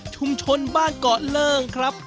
ชุมชนบ้านเกาะเลิ่งครับ